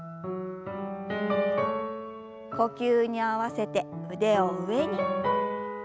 呼吸に合わせて腕を上に。